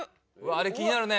あれ気になるね。